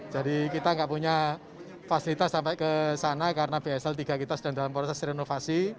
jadi kita nggak punya fasilitas sampai ke sana karena bsl tiga kita sedang dalam proses renovasi